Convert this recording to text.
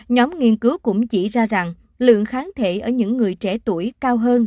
nhóm nghiên cứu cũng chỉ ra rằng lượng kháng thể ở những người trẻ tuổi cao hơn